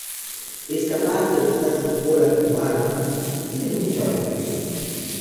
Es capaz de usar su cola como arma, y tiene mucha agilidad.